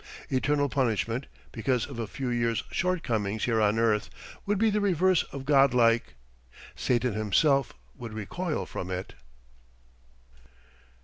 Eternal punishment, because of a few years' shortcomings here on earth, would be the reverse of Godlike. Satan himself would recoil from it.